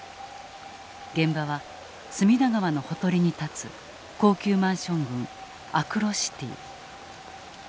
現場は隅田川のほとりに建つ高級マンション群アクロシティ。